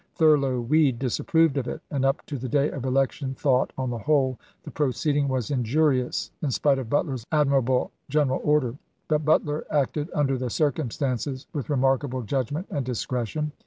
Thurlow Weed disapproved of it, and up to the day of elec tion thought, on the whole, the proceeding was injurious, in spite of Butler's admirable general order; but Butler acted under the circumstances with remarkable judgment and discretion.